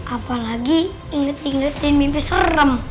apalagi inget ingetin mimpi serem